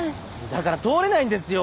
だから通れないんですよ